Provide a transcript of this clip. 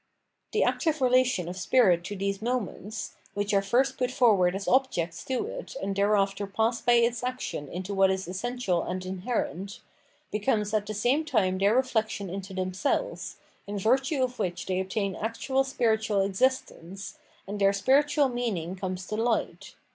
The active relation of spirit to these moments, — ^which are first put forward as objects to it and thereafter pass by its action into what is essential and inherent — ^becomes at the same time their reflection into themselves, in virtue of which they obtain actual spiritual existence, and thek spkitual meaning comes to fight.